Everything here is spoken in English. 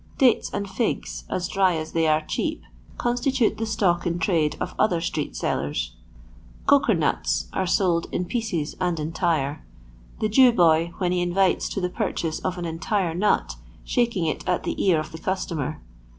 Dates and figs, as dry as they are cheap, constitute the stock in trade of other street sellers. " Coker nuts " are sold in pieces and entire j the Jew boy, when he invites to the purchase of an entire nut, shaking it at the ear of the customer.